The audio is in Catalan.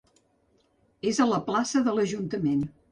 És a la Plaça de l'Ajuntament.